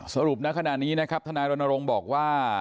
สรุปนะขณะนี้นะครับทนายรณรงค์บอกว่า